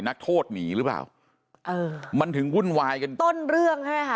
นักโทษหนีหรือเปล่าเออมันถึงวุ่นวายกันต้นเรื่องใช่ไหมคะ